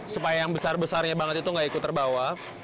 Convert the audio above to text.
supaya yang besar besarnya banget itu nggak ikut terbawa